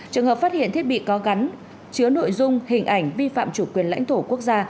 trường hợp phát hiện thiết bị có gắn chứa nội dung hình ảnh vi phạm chủ quyền lãnh thổ quốc gia